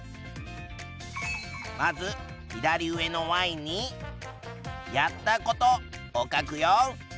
まず左上のＹに「やったこと」を書くよ。